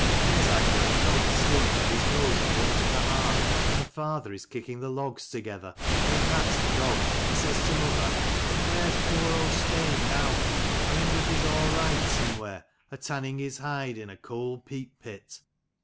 There's our great dog asleep with his nose on the edge of the hearth, and father is kicking the logs together, and he pats the dog and says to mother, ' Where's poor old Stein now? I wonder if he's all right some where, or tanning his hide in a cold peat pit.'